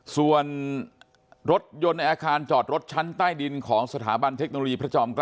ส่วนรถยนต์ในอาคารจอดรถชั้นใต้ดินของสถาบันเทคโนโลยีพระจอม๙